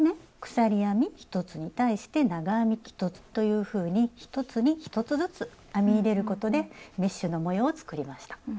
鎖編み１つに対して長編み１つというふうに１つに１つずつ編み入れることでメッシュの模様を作りました。